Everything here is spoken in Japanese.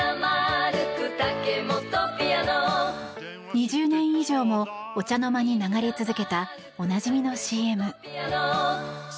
２０年以上もお茶の間に流れ続けたおなじみのＣＭ。